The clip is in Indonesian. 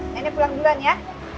nenek pulang duluan ya